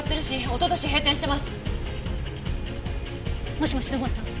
もしもし土門さん？